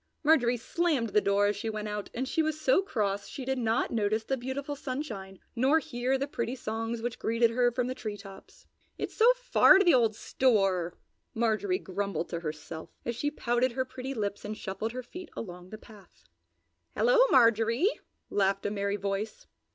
Marjorie slammed the door as she went out and she was so cross she did not notice the beautiful sunshine nor hear the pretty songs which greeted her from the tree tops. "It's so far to the old store!" Marjorie grumbled to herself, as she pouted her pretty lips and shuffled her feet along the path. "Hello, Marjorie!" laughed a merry voice.